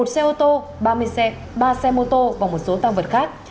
một xe ô tô ba mươi xe ba xe mô tô và một số tăng vật khác